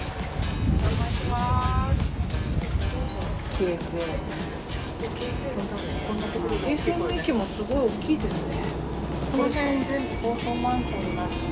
京成の駅もすごい大きいですね。